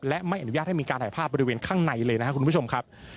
และไม่อนุญาตให้มีการถ่ายภาพบริเวณข้างในเลยนะครับคุณผู้ชมครับ